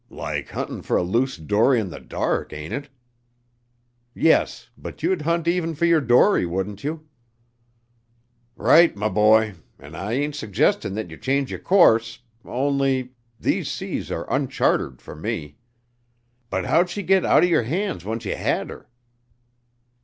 "Like huntin' fer a loose dory in th' dark, ain't it?" "Yes, but you'd hunt even for your dory, wouldn't you?" "Right, m' boy, an' I ain't suggestin' thet yer change yer course, only these seas are uncharted fer me. But how'd she git outern yer hands once yer had her?"